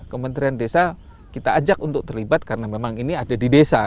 kementerian desa kita ajak untuk terlibat karena memang ini ada di desa